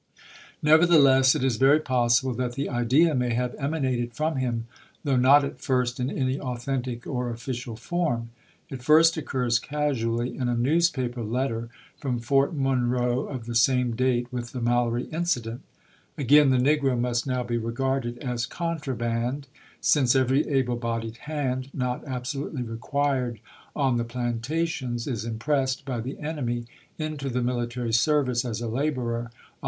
^ Nevertheless, it is very possible that the idea may have emanated from him, though not at first in any authentic or official form. It first occurs casually in a newspaper letter from Fort Mon roe of the same date with the Mallory incident: "Again, the negro must now be regarded as con traband, since every able bodied hand, not abso lutely required on the plantations, is impressed by New York thc cucmy iuto the militarv service as a laborer on " Tribune "*'*■ May27,i86i.